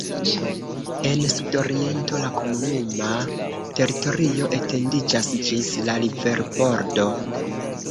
En sudoriento la komunuma teritorio etendiĝas ĝis la riverbordo.